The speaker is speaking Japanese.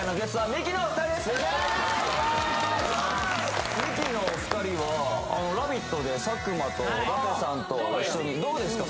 ミキのお二人は「ラヴィット！」で佐久間と舘さんと一緒にどうですか？